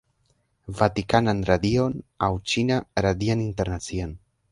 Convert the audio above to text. Vatikanan Radion aŭ Ĉina Radian Internacian